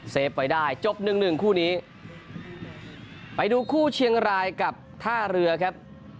ฟไว้ได้จบหนึ่งหนึ่งคู่นี้ไปดูคู่เชียงรายกับท่าเรือครับ